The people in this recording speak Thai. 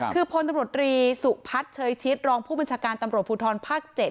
คือพลตำรวจรีสุพัฒน์เชยชิดรองผู้บัญชาการตำรวจภูทรภาค๗